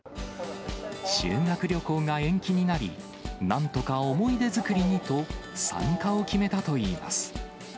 修学旅行が延期になり、なんとか思い出作りにと、参加を決めたといいます。